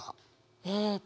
えっと